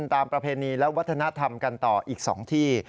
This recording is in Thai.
ประเพณีและวัฒนธรรมกันต่ออีก๒ที่